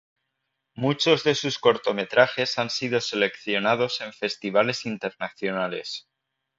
Muchos de sus cortometrajes han sido seleccionados en festivales internacionales.